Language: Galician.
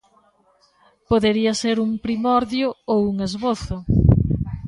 Podería ser un primordio ou un esbozo.